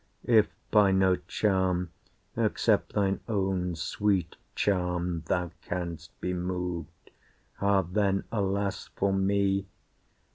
If by no charm except thine own sweet charm Thou can'st be moved, ah then, alas, for me!